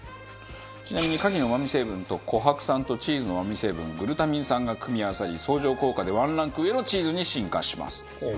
ちなみに牡蠣のうま味成分コハク酸とチーズのうま味成分グルタミン酸が組み合わさり相乗効果でワンランク上のチーズに進化します。